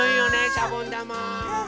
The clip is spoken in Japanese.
しゃぼんだま。